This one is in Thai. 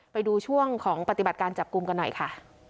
ไปดูช่วงของปฏิบัติการจับกลุ่มกันหน่อยค่ะ